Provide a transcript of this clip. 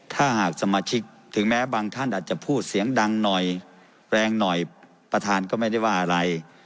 ถ้าหากสมาชิกถึงแม้บางท่านอาจจะพูดเสียงดังหน่อยแรงหน่อยประธานก็ไม่ได้ว่าอะไร